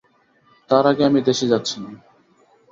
তার আগে আমি দেশে যাচ্ছি না।